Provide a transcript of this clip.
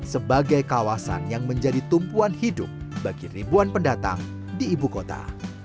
sebagai kawasan yang menjadi tumpuan hidup bagi ribuan pendatang di ibu kota